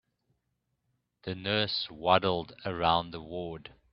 The nurse waddled around the ward.